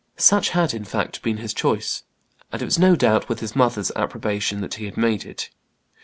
Such had, in fact, been his choice, and it was no doubt with his mother's approbation that he had made it.